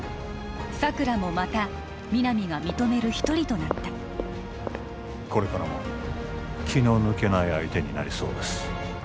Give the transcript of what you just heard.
佐久良もまた皆実が認める一人となったこれからも気の抜けない相手になりそうです